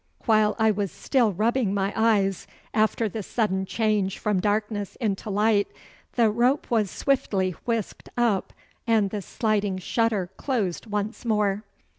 While I was still rubbing my eyes after the sudden change from darkness into light, the rope was swiftly whisked up and the sliding shutter closed once more.